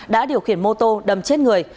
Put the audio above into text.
đã điều khiển mô tô đầm chết người